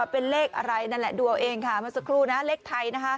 เป็นเลขอะไรนั่นแหละดูเอาเองค่ะเมื่อสักครู่นะเลขไทย